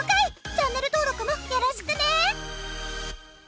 チャンネル登録もよろしくね！